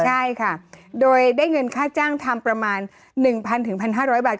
ใช่ค่ะโดยได้เงินค่าจ้างทำประมาณ๑๐๐๑๕๐๐บาท